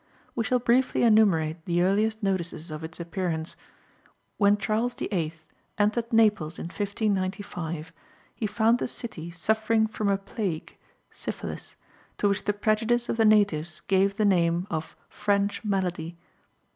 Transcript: We shall briefly enumerate the earliest notices of its appearance. When Charles VIII. entered Naples in 1495, he found the city suffering from a plague (syphilis) to which the prejudice of the natives gave the name of "French malady."